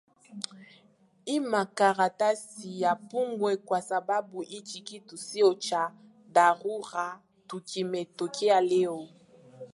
i makaratasi yapungue kwa sababu hichi kitu sio cha dharura tu kimetokea leo